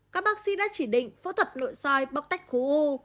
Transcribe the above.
các bác sĩ đã chỉ định phẫu thuật nội soi bóc tách khối u